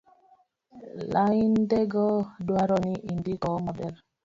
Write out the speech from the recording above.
laindego dwaro ni indiko maber